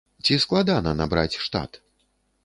Ці складана набраць штат?